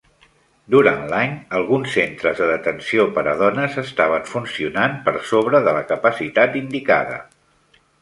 Durant l'any, alguns centres de detenció per a dones estaven funcionant per sobre de la capacitat indicada.